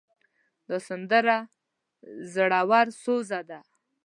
دا سندره زړوسوزه ده.